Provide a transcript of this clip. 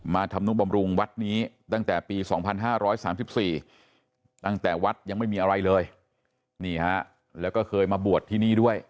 ธรรมนุบำรุงวัดนี้ตั้งแต่ปี๒๕๓๔ตั้งแต่วัดยังไม่มีอะไรเลยนี่ฮะแล้วก็เคยมาบวชที่นี่ด้วย